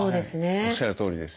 おっしゃるとおりです。